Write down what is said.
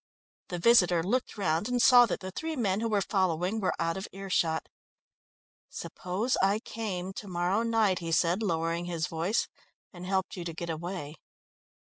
The visitor looked round and saw that the three men who were following were out of ear shot. "Suppose I came to morrow night," he said, lowering his voice, "and helped you to get away?